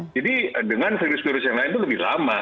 jadi dengan virus virus yang lain itu lebih lama